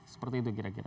seperti itu kira kira